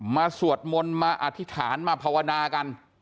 สวดมนต์มาอธิษฐานมาภาวนากัน